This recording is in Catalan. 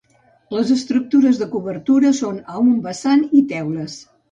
Les estructures de cobertura són a un vessant i teules.